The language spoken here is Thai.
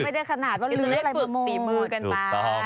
ไม่ได้ขนาดว่าลื้ออะไรมาหมด